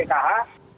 oke kalau bpkt sama pkh